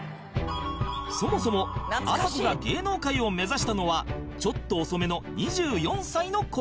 そもそもあさこが芸能界を目指したのはちょっと遅めの２４歳の頃